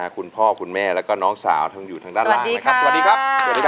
คุณพ่อคุณแม่แล้วก็น้องสาวทั้งอยู่ทางด้านล่างนะครับสวัสดีครับสวัสดีครับ